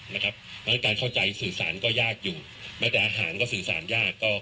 เพราะฉะนั้นการเข้าใจสื่อสารก็ยากอยู่แม้แต่อาหารก็สื่อสารยาก